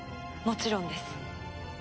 もちろんです。